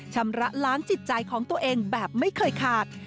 ชำระล้างจิตใจของตัวเองแบบไม่เคยขาด